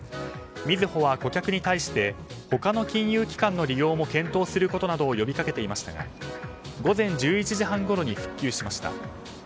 みずほは顧客に対して他の金融機関の利用も検討することなどを呼び掛けていましたが午前１１時半ごろに復旧しました。